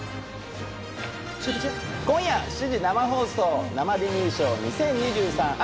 今夜７時生放送『生デミー賞２０２３秋』。